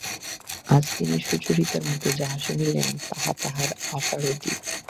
আজ তিনি সুচরিতার মুখে যাহা শুনিলেন তাহা তাঁহার আশার অতীত।